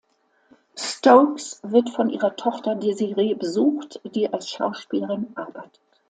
Stokes wird von ihrer Tochter Desiree besucht, die als Schauspielerin arbeitet.